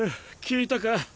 聞いたか？